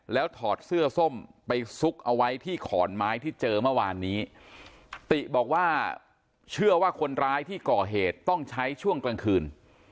แล้วถอดเสื้อส้มไปซุกเอาไว้ที่ขอนไม้ที่เจอเมื่อวานนี้ติบอกว่าเชื่อว่าคนร้ายที่ก่อเหตุต้องใช้ช่วงกลางคืน